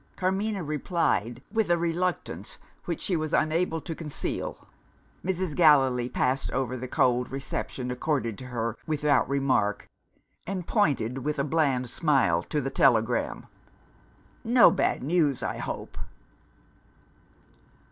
Carmina replied with a reluctance which she was unable to conceal. Mrs. Gallilee passed over the cold reception accorded to her without remark, and pointed with a bland smile to the telegram. "No bad news, I hope?"